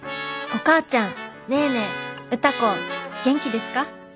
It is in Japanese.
「お母ちゃんネーネー歌子元気ですか？